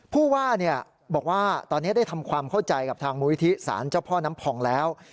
ผู้ว่าบอกว่าตอนนี้ได้ทำความเข้าใจกับทางมูลิธิสารเจ้าพ่อน้ำพองแล้ว